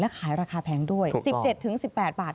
ขายราคาแพงด้วย๑๗๑๘บาท